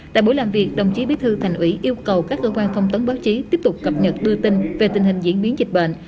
tại buổi làm việc đồng chí bí thư thành ủy yêu cầu các cơ quan thông tấn báo chí tiếp tục cập nhật đưa tin về tình hình diễn biến dịch bệnh